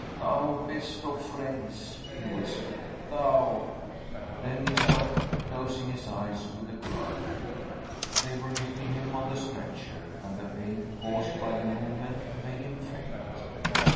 "Thou best of friends," he whispered. "Thou " Then he stopped, closing his eyes with a groan. They were lifting him on the stretcher, and the pain caused by the movement made him faint.